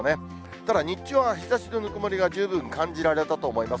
ただ、日中は日ざしのぬくもりが十分感じられたと思います。